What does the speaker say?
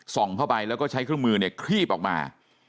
เข้าไปแล้วก็ใช้เครื่องมือเนี่ยครีบออกมา